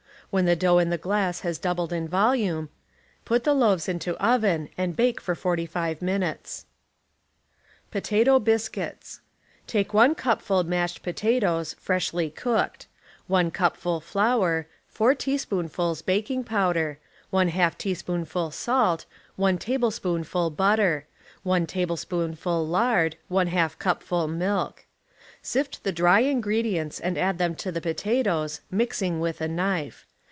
When the dough in the glass has doubled in volume, put the loaves into oven and bake for 15 minutes. POTATO BISCUITS— Take 1 cupful mashed potatoes, freshly cooked; 1 cupful flour; 4 teaspoonfvds baking powder; 1/2 teaspoonful salt; 1 tablespoonful butter; 1 tablespoonful lard; V^ cupful milk. Sift the dry ingredients and add them to the potatoes, mixing with a knife.